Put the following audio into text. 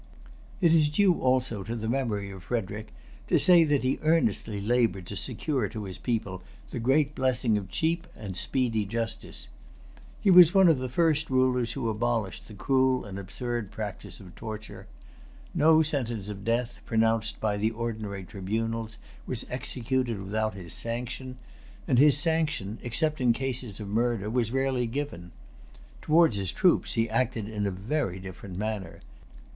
It is due also to the memory of Frederic to say that he earnestly labored to secure to his people the great blessing of cheap and speedy justice. He was one of the first rulers who abolished the cruel and absurd practice of torture. No sentence of death, pronounced by the ordinary tribunals, was executed without his sanction; and his sanction, except in cases of murder, was rarely given. Towards his troops he acted in a very different manner.